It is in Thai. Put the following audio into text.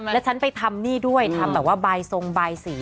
และฉันไปทำหนี้ด้วยทำแบบว่าใบสงค์ใบสี